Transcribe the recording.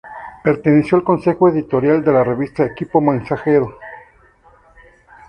Perteneció al Consejo Editorial de la revista "Equipo Mensajero".